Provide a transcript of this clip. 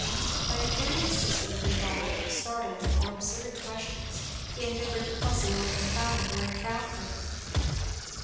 By a curious system of involved, startling, or absurd questions, he endeavoured to puzzle or confound or entrap her.